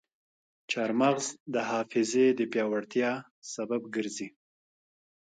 چارمغز د حافظې د پیاوړتیا سبب ګرځي.